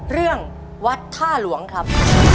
เรื่องวัดท่าหลวงครับ